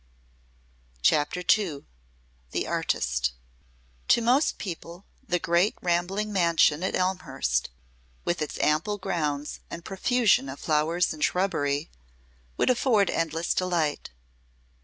CHAPTER II THE ARTIST To most people the great rambling mansion at Elmhurst, with its ample grounds and profusion of flowers and shrubbery, would afford endless delight.